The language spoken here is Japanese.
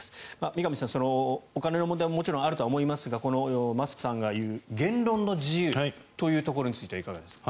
三上さん、お金の問題ももちろんあるとは思いますがこのマスクさんが言う言論の自由についてはいかがですか？